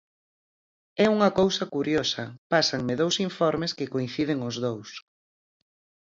É unha cousa curiosa, pásanme dous informes que coinciden os dous.